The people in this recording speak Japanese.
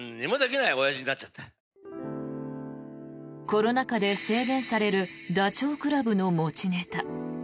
コロナ禍で制限されるダチョウ倶楽部の持ちネタ。